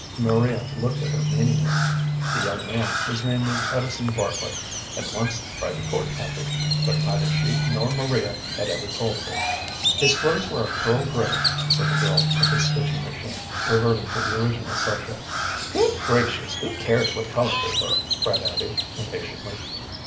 Maria looked at her meaningly. The young man, whose name was Edison Bartlett, had once tried to court Abby, but neither she nor Maria had ever told of it. "His clothes were a pearl gray," said the girl at the stitching machine, reverting to the original subject. "Good gracious, who cares what color they were?" cried Abby, impatiently.